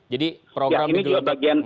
jadi program ini juga bagian